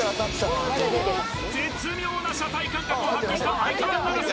絶妙な車体感覚を発揮した相川七瀬